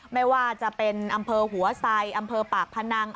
ไม่ว่าจะเป็นอำเภอหัวไซอำเภอปากพนัง